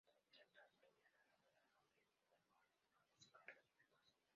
Dos directores estuvieron al frente de la orquesta: Herbert Grossman y Carlos Mendoza.